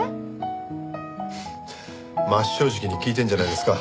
真っ正直に聞いてるじゃないですか。